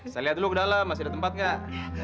saya lihat dulu ke dalam masih ada tempat nggak